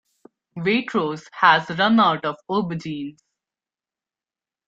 Waitrose has run out of aubergines